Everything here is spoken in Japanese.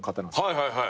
はいはいはい。